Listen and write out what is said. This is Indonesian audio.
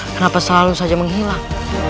kenapa selalu saja menghilang